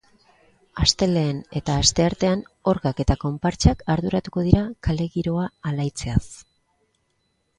Astelehen eta asteartean orgak eta konpartsak arduratuko dira kalekogiroa alaitzeaz.